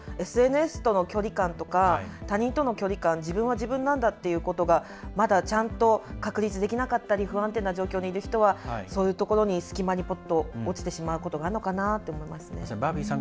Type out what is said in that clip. ＳＮＳとの距離感とか、他人との距離感自分は自分なんだっていうことがまだちゃんと確立できなかったり不安定な状況にいる人は隙間に落ちてしまうことがあるのかなと思いますね。